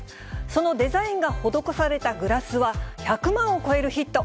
そのデザインが施されたグラスは、１００万を超えるヒット。